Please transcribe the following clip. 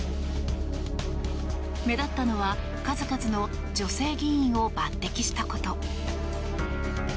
目立ったのは数々の女性議員を抜擢したこと。